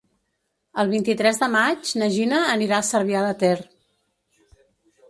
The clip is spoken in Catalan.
El vint-i-tres de maig na Gina anirà a Cervià de Ter.